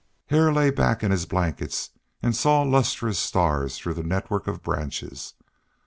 Hare lay back in his blankets and saw lustrous stars through the network of branches.